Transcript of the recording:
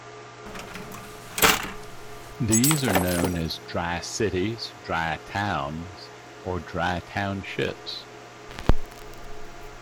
These are known as dry cities, dry towns, or dry townships.